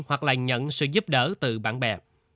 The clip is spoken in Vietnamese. hoặc là nhận sự giúp đỡ từ bạn bè